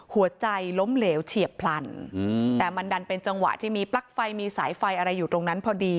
หัวใจล้มเหลวเฉียบพลันแต่มันดันเป็นจังหวะที่มีปลั๊กไฟมีสายไฟอะไรอยู่ตรงนั้นพอดี